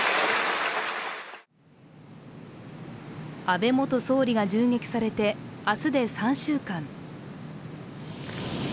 安倍元総理が銃撃されて明日で３週間。